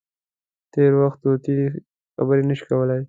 تر وخت تېر طوطي خبرې نه شي کولای.